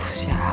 tuh siapa sih